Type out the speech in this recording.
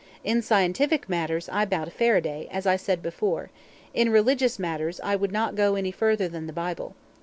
In scientific matters, I bow to Faraday, as I said before; in religious matters, I would not go any further than the Bible.